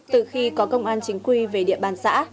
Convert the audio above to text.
từ khi có công an chính quy về địa bàn xã